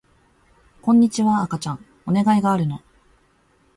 こんにちは赤ちゃんお願いがあるの